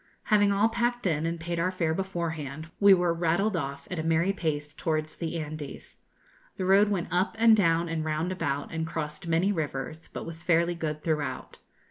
Having all packed in, and paid our fare beforehand, we were rattled off at a merry pace towards the Andes. The road went up and down and round about, and crossed many rivers, but was fairly good throughout.